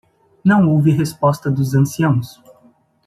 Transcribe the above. Não houve resposta dos anciãos.